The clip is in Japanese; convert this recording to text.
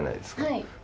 はい。